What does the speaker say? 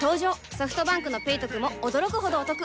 ソフトバンクの「ペイトク」も驚くほどおトク